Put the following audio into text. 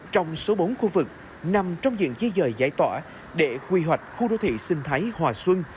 trong số bốn khu vực nằm trong diện dây dời giải tỏa để quy hoạch khu đô thị sinh thái hòa xuân